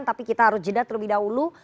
tapi kita harus jeda terlebih dahulu